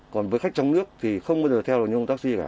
còn với khách trong nước thì không bao giờ theo như một taxi cả